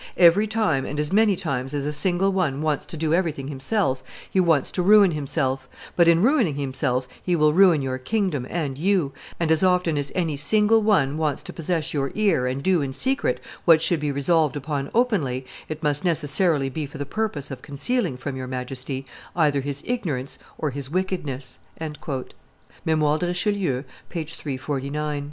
Every time, and as many times as a single one wants to do everything himself, he wants to ruin himself; but in ruining himself he will ruin your kingdom and you, and as often as any single one wants to possess your ear and do in secret what should be resolved upon openly, it must necessarily be for the purpose of concealing from Your Majesty either his ignorance or his wickedrnpss." [Memoires de Richelieu, t. ii. p. 349.